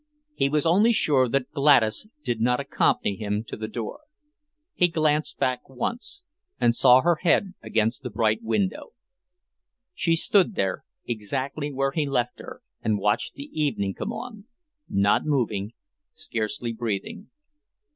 He was only sure that Gladys did not accompany him to the door. He glanced back once, and saw her head against the bright window. She stood there, exactly where he left her, and watched the evening come on, not moving, scarcely breathing.